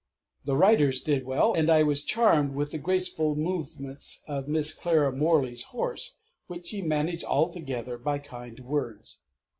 The Riders did well, and I was charmed with the graceful movements of Miss Clara Morley's horse, which she managed altogether by kind words.